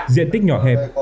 diện tích nhỏ hẹp